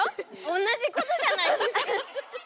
おんなじことじゃないですか。